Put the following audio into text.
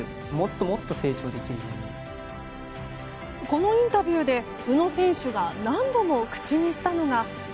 このインタビューで宇野選手が何度も口にしたのが。